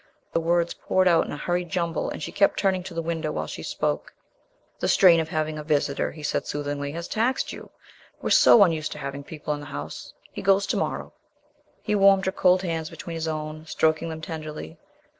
The words poured out in a hurried jumble and she kept turning to the window while she spoke. "The strain of having a visitor," he said soothingly, "has taxed you. We're so unused to having people in the house. He goes to morrow." He warmed her cold hands between his own, stroking them tenderly.